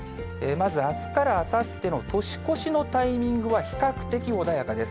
まずあすからあさっての年越しのタイミングは、比較的穏やかです。